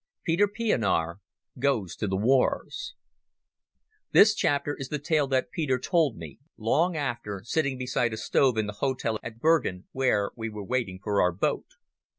Peter Pienaar Goes to the Wars This chapter is the tale that Peter told me—long after, sitting beside a stove in the hotel at Bergen, where we were waiting for our boat.